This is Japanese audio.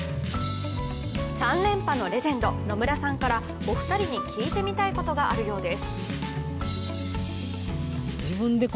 ３連覇のレジェンド・野村さんからお二人に聞いてみたいことがあるようです。